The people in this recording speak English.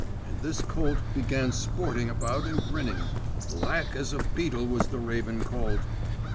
And this colt began sporting about and grinning. Black as a beetle was the raven colt.